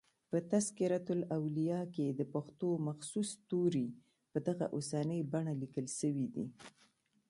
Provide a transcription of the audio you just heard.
په" تذکرة الاولیاء" کښي دپښتو مخصوص توري په دغه اوسنۍ بڼه لیکل سوي دي.